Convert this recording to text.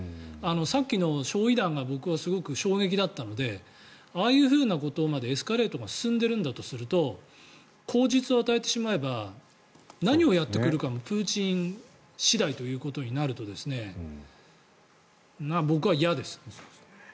さっきの焼い弾が僕はすごく衝撃だったのでああいうふうなことまでエスカレートが進んでいるんだとすると口実を与えてしまえば何をやってくるかはプーチン次第ということになると僕は嫌ですね。